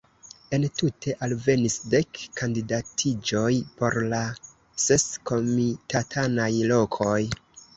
Entute alvenis dek kandidatiĝoj por la ses komitatanaj lokoj.